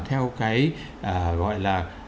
theo cái gọi là